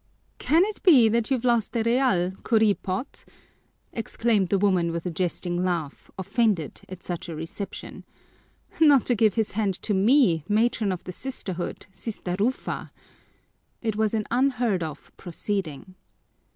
"Can it be that you've lost a real, kuriput?" exclaimed the woman with a jesting laugh, offended at such a reception. "Not to give his hand to me, Matron of the Sisterhood, Sister Rufa!" It was an unheard of proceeding.